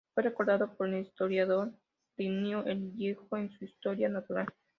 Fue recordado por el historiador Plinio el viejo, en su Historia Natural.